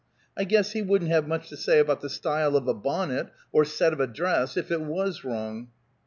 I guess he wouldn't have much to say about the style of a bonnet, or set of a dress, if it was wrong!"